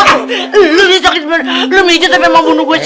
eh lo ini sakit banget lo pijit tapi pembunuh gue sih